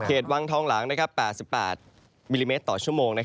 วังทองหลัง๘๘มิลลิเมตรต่อชั่วโมง